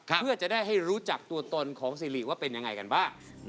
เพื่อจะได้ให้รู้จักตัวตนของสิริว่าเป็นยังไงกันบ้าง